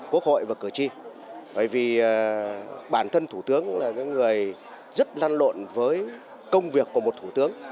quốc hội và cử tri bởi vì bản thân thủ tướng là người rất lăn lộn với công việc của một thủ tướng